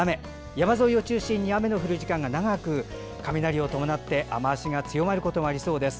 山沿いを中心に雨の降る時間が長く雷を伴って雨足が強まることもありそうです。